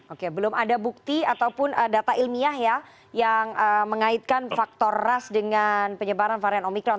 oke belum ada bukti ataupun data ilmiah ya yang mengaitkan faktor ras dengan penyebaran varian omikron